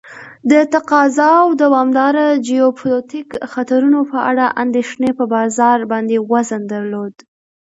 د تقاضا او دوامداره جیوپولیتیک خطرونو په اړه اندیښنې په بازار باندې وزن درلود.